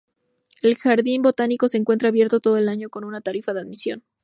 El jardín botánico se encuentra abierto todo el año con una tarifa de admisión.